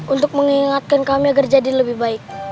untuk mengingatkan kami agar jadi lebih baik